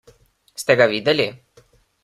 Ste ga videli?